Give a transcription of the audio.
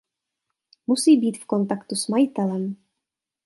Musí být v kontaktu s majitelem.